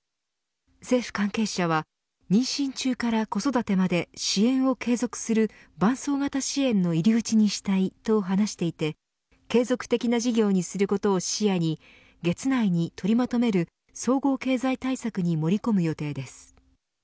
政府関係者は妊娠中から子育てまで支援を継続する伴走型支援の入り口にしたいと話していて継続的な事業にすることを視野に月内に取りまとめる総合経済対策に盛り込む予定です。